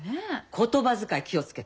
言葉遣い気を付けて。